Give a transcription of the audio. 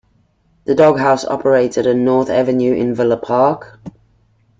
The Dog House operated on North Avenue in Villa Park.